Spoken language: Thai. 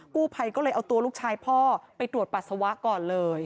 กู้ภัยก็เลยเอาตัวลูกชายพ่อไปตรวจปัสสาวะก่อนเลย